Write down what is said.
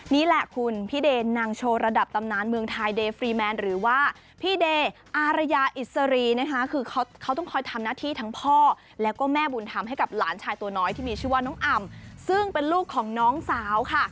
นี่แหละคุณพี่เดนนางโชว์ระดับตำนานเมืองไทยเดย์ฟรีแมนหรือว่าพี่เดย์อารยาอิสรีนะคะคือเขาต้องคอยทำหน้าที่ทั้งพ่อแล้วก็แม่บุญธรรมให้กับหลานชายตัวน้อยที่มีชื่อว่าน้องอำซึ่งเป็นลูกของน้องสาวค่ะ